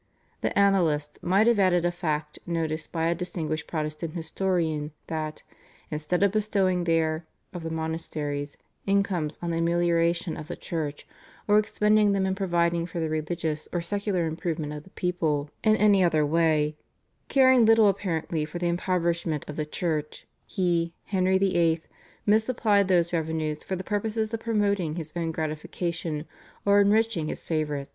" The Annalists might have added a fact noticed by a distinguished Protestant historian that "instead of bestowing their [of the monasteries] incomes on the amelioration of the Church, or expending them in providing for the religious or secular improvement of the people in any other way, caring little apparently for the impoverishment of the Church, he [Henry VIII.] misapplied those revenues for the purposes of promoting his own gratification or enriching his favourites."